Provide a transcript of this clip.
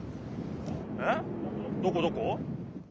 えっどこどこ？